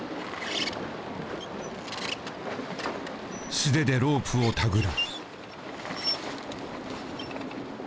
素手でロープを手繰る。